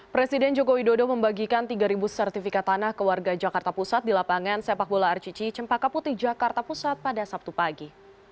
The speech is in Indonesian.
presiden joko widodo membagikan tiga sertifikat tanah ke warga jakarta pusat di lapangan sepak bola arcici cempaka putih jakarta pusat pada sabtu pagi